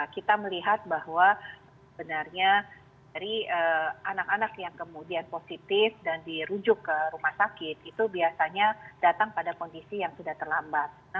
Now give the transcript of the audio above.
kita melihat bahwa benarnya dari anak anak yang kemudian positif dan dirujuk ke rumah sakit itu biasanya datang pada kondisi yang sudah terlambat